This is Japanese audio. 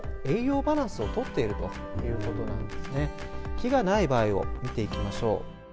木がない場合を見ていきましょう。